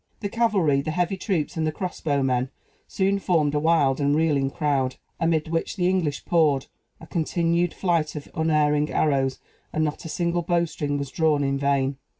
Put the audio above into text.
The cavalry, the heavy troops, and the cross bow men, soon formed a wild and reeling crowd, amid which the English poured a continued flight of unerring arrows, and not a single bowstring was drawn in vain.